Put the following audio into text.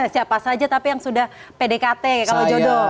siapa saja tapi yang sudah pdkt kalau jodoh